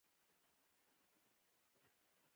د لیک له لارې ماضي ژوندی پاتې شو.